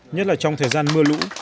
nhất là trong thời gian mưa lũ